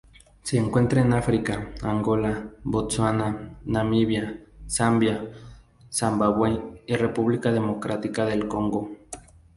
Se encuentran en África: Angola, Botsuana, Namibia, Zambia, Zimbabue y República Democrática del Congo.